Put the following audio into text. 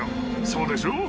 そうでしょ？